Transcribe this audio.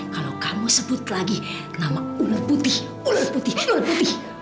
kalau kamu sebut lagi nama ular putih ular putih ini lebih